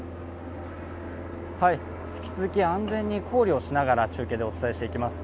引き続き安全に考慮しながら中継でお伝えしていきます。